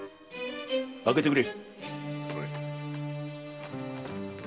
開けてくれ。